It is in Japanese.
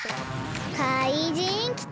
かいじんきた！